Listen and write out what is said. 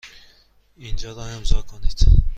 اینجا را امضا کنید.